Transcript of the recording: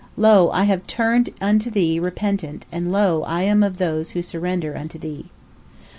Lo! I have turned unto Thee repentant, and lo! I am of those who surrender (unto Thee).